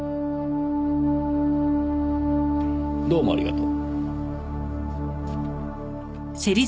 どうもありがとう。